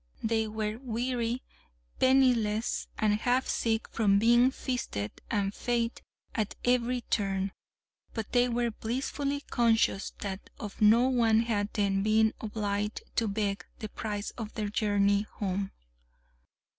They were weary, penniless, and half sick from being feasted and fêted at every turn, but they were blissfully conscious that of no one had they been obliged to beg the price of their journey home.